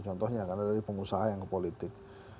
contohnya karena dari pengusaha yang ke politik